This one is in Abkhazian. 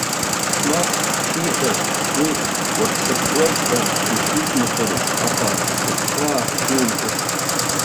Мап шиҳәаз, уи уахьсырхәуеит ҳәа дышиқәмақарыз, аха рыгәхьаа шимкыз.